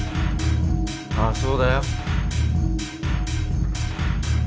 ああそうだよ